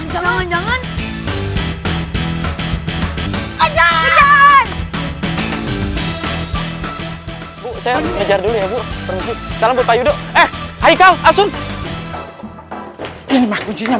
jangan jangan jangan jangan jangan jangan jangan jangan jangan jangan jangan jangan